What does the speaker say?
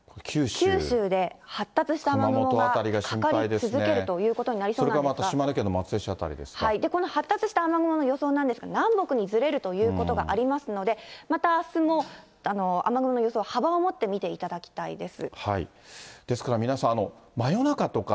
九州で発達した雨雲がかかり続けるということになりそうなんそれからまた島根県の松江市この発達した雨雲の予想なんですが、南北にずれるということがありますので、またあすも雨雲の予想、幅を持って見ていただきたいです。